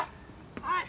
はい！